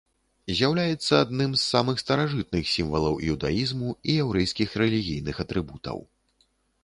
З'яўляецца адным з самых старажытных сімвалаў іўдаізму і яўрэйскіх рэлігійных атрыбутаў.